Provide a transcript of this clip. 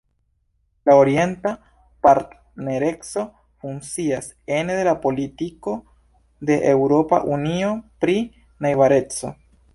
La Orienta Partnereco funkcias ene de la Politiko de Eŭropa Unio pri Najbareco.